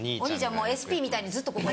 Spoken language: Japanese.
もうＳＰみたいにずっとここに。